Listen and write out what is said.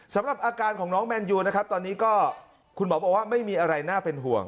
สำหรับอาการของน้องแมนยูนะครับตอนนี้ก็คุณหมอบอกว่าไม่มีอะไรน่าเป็นห่วง